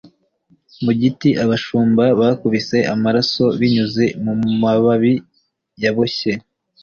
mu giti! abashumba bakubise amaraso binyuze mumababi yaboshye!